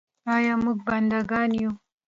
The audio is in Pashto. آیا موږ بنده ګان یو؟